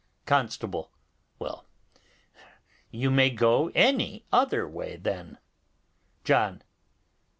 Constable. Well, you may go any other way, then. John.